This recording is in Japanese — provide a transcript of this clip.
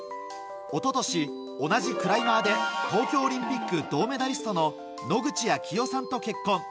一昨年、同じクライマーで東京オリンピック銅メダリストの野口啓代さんと結婚。